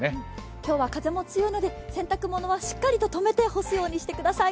今日は風も強いので、洗濯物はしっかりとめて干すようにしてください。